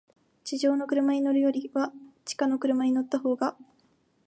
地上の車に乗るよりは、地下の車に乗ったほうが、